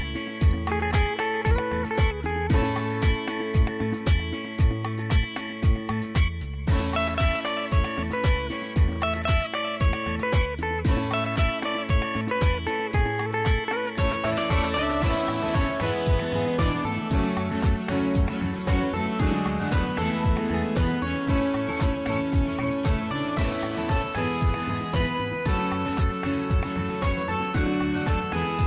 สวัสดีครับสวัสดีครับสวัสดีครับ